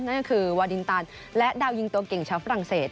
นั่นก็คือวาดินตันและดาวยิงตัวเก่งชาวฝรั่งเศส